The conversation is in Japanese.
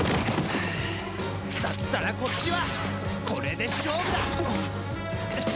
だったらこっちはこれで勝負だ！